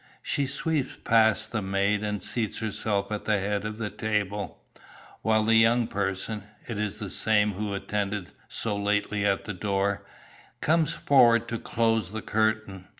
She sweeps past the maid and seats herself at the head of the table, while the young person it is the same who attended so lately at the door comes forward to close the curtain.